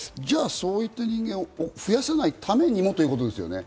そういった人間を増やさないためにもということですね。